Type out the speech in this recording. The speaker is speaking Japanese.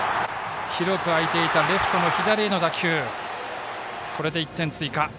広く空いていたレフトの左への打球で１点追加。